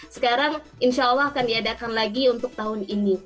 sekarang insya allah akan diadakan lagi untuk tahun ini